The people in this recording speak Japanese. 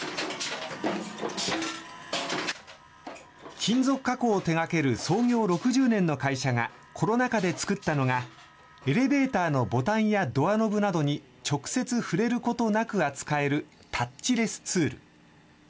金属加工を手がける創業６０年の会社が、コロナ禍で作ったのが、エレベーターのボタンやドアノブなどに直接触れることなく扱えるタッチレスツール。